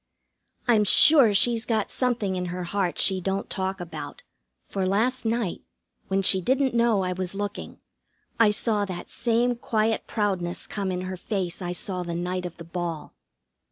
I'm sure she's got something in her heart she don't talk about, for last night, when she didn't know I was looking, I saw that same quiet proudness come in her face I saw the night of the ball.